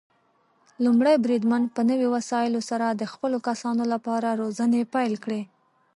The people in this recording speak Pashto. لومړی بریدمن په نوي وسايلو سره د خپلو کسانو لپاره روزنې پيل کړي.